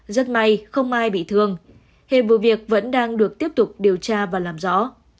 rất may không ai bị thương hệ vụ việc vẫn đang được tiếp tục điều tra và làm rõ